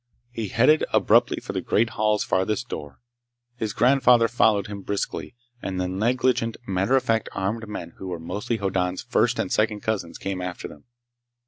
He headed abruptly for the great hall's farthest door. His grandfather followed him briskly, and the negligent, matter of fact armed men who were mostly Hoddan's first and second cousins came after them.